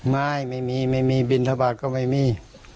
ไม่มีไม่มีบินทบาทก็ไม่มี